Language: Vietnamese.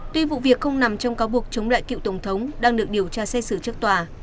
tuy vụ việc không nằm trong cáo buộc chống lại cựu tổng thống đang được điều tra xét xử trước tòa